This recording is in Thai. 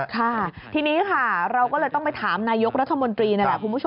ค่ะทีนี้ค่ะเราก็เลยต้องไปถามนายกรัฐมนตรีนั่นแหละคุณผู้ชม